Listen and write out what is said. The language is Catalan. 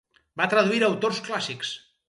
Va traduir autors clàssics.